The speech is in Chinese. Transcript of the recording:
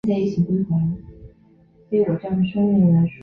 绝对贫穷是由香港扶贫委员会所界定的一种贫穷层级。